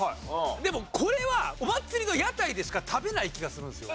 でもこれはお祭りの屋台でしか食べない気がするんですよ。